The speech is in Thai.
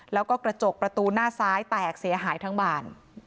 แล้วก็กระจกประตูหน้าซ้ายแตกเสียหายทั้งบาน